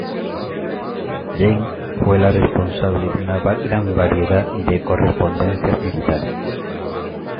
Jane fue la responsable de una gran variedad de correspondencias militares.